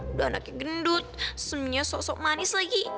udah anaknya gendut semuanya sok sok manis lagi